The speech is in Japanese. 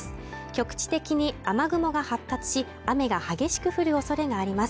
局地的に雨雲が発達し雨が激しく降るおそれがあります